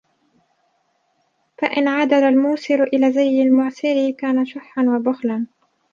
فَإِنْ عَدَلَ الْمُوسِرُ إلَى زِيِّ الْمُعْسِرِ كَانَ شُحًّا وَبُخْلًا